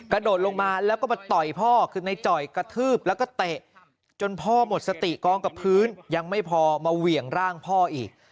กระโดดลงมาแล้วก็มาต่อยพ่อคือในจ่อยกระทืบแล้วก็เตะจนพ่อหมดสติกองกับพื้นยังไม่พอมาเหวี่ยงร่างพ่ออีก